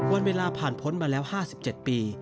วันเวลาผ่านพ้นมาแล้วห้าสิบเจ็ดปี